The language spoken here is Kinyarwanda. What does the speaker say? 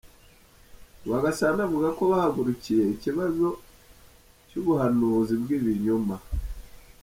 Rwagasana avuga ko bahagurukiye ikibazo cy’ubuhanuzi bw’ibinyoma.